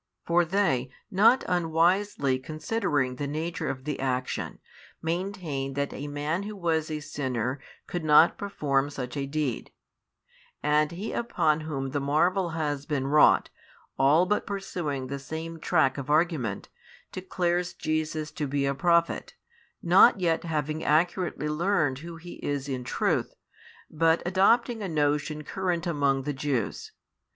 For they, not unwisely considering the nature of the action, maintain that a man who was a sinner could not perform such a deed: and he upon whom the marvel has been wrought, all but pursuing the same track of argument, declares Jesus to be a prophet, not yet having accurately learned Who He is in truth, but adopting a notion current among the Jews.